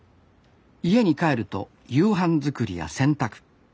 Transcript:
家に帰ると夕飯作りや洗濯。